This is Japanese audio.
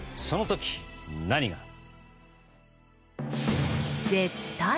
その時、何が。